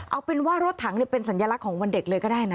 เอาเป็นว่ารถถังเป็นสัญลักษณ์ของวันเด็กเลยก็ได้นะ